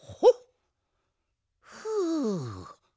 ふう。